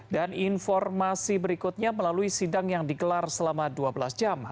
informasi berikutnya melalui sidang yang digelar selama dua belas jam